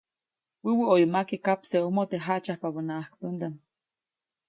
Wäwä ʼoyu makye kaʼpseʼomo teʼ jaʼtsyajpabänaʼajk pändaʼm.